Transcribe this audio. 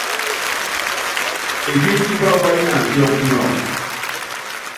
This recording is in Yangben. Ekíík tipá waáyinan kiɔfɔnɔ.